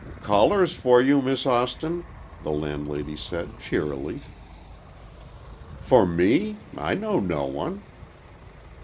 "Callers for you, Miss Austin," the landlady said, cheerily. "For me? I know no one."